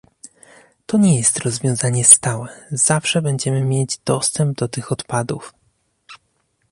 "To nie jest rozwiązanie stałe, zawsze będziemy mieć dostęp do tych odpadów"